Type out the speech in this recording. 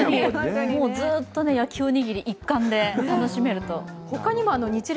ずっと焼おにぎり一環で楽しめると。